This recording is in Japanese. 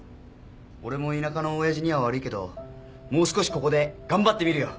俺も田舎の親父には悪いけどもう少しここで頑張ってみるよ！